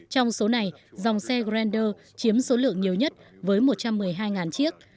trong số này dòng xe grander chiếm số lượng nhiều nhất với một trăm một mươi hai chiếc